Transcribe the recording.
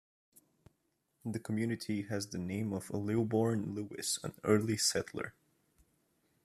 The community has the name of Lilbourn Lewis, an early settler.